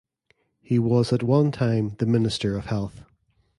He was at one time the Minister of Health.